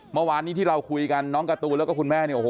เมื่อวานที่เราคุยกันน้องกระตูนแล้วก็คุณแม่นี่